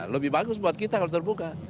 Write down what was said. lebih bagus buat kita kalau terbuka